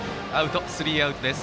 スリーアウトです。